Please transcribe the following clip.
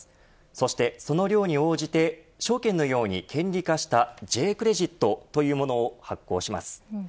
そして、その量に応じて証券のように権利化したＪ−クレジットというものを発行します。